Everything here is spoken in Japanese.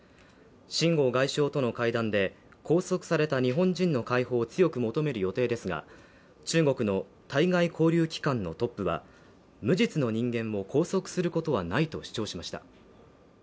秦剛外相との会談で拘束された日本人の解放を強く求める予定ですが、中国の対外交流機関のトップは、無実の人間を拘束することはないと主張しました。